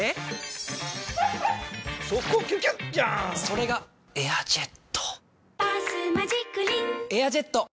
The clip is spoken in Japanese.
それが「エアジェット」「バスマジックリン」「エアジェット」！